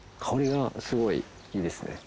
香りがすごいいいですね。